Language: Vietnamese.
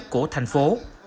của thành phố